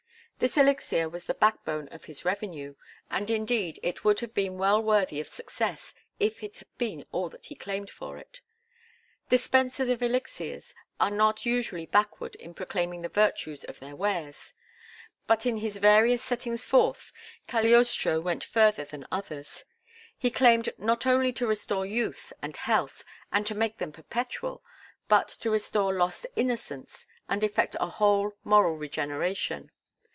This elixir was the backbone of his revenue; and indeed it would have been well worthy of success if it had been all that he claimed for it. Dispensers of elixirs are not usually backward in proclaiming the virtues of their wares; but in his various settings forth Cagliostro went further than others. He claimed not only to restore youth and health and to make them perpetual, but to restore lost innocence and effect a whole moral regeneration.